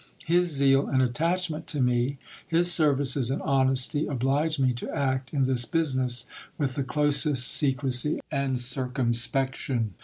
His zeal and attachment to me, his services and honesty, oblige me to act in this business with the closest secrecy and circumspection.